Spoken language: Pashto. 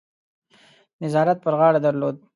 نظارت پر غاړه درلود.